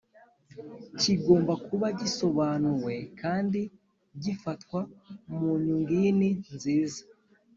kigomba kuba gisobanuwe kandi gifatwa munyungin nziza